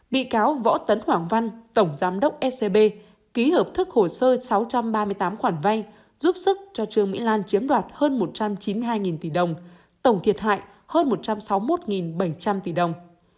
bị cáo võ tấn hoàng văn tổng giám đốc scb ký hợp thức hồ sơ sáu trăm ba mươi tám khoản vay giúp sức cho trương mỹ lan chiếm đoạt hơn một trăm chín mươi hai tỷ đồng tổng thiệt hại hơn một trăm sáu mươi một bảy trăm linh tỷ đồng